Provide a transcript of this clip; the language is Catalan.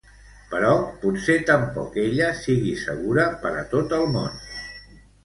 Però potser tampoc ella sigui segura per a tot el món.